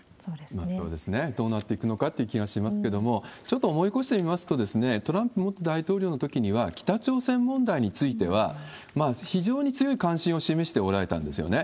どうなっていくのかという気がしますけれども、ちょっと思い起こしてみますと、トランプ元大統領のときには、北朝鮮問題については、非常に強い関心を示しておられたんですよね。